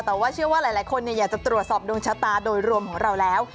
แต่ว่าเชื่อว่าหลายคนอยากจะตรวจสอบดวงชะตาโดยรวมของเราแล้ว